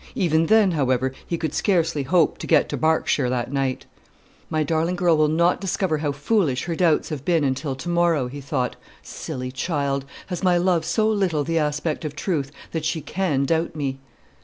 Even then, however, he could scarcely hope to get to Berkshire that night. "My darling girl will not discover how foolish her doubts have been until to morrow," he thought. "Silly child! has my love so little the aspect of truth that she can doubt me?"